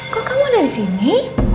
kok kamu dari sini